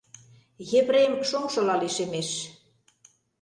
Епрем шоҥшыла лишемеш.